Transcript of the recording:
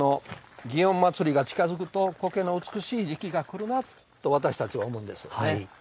祇園祭が近づくと苔の美しい時期が来るなと私たちは思うんですね。